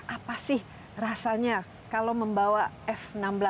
apa sih rasanya kalau membawa f enam belas